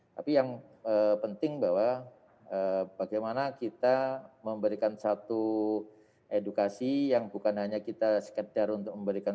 tapi yang penting bahwa bagaimana kita memberikan satu edukasi yang bukan hanya kita sekedar untuk memberikan